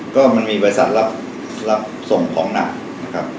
ก็มันมีบริษัทรับส่งของหนักนะครับ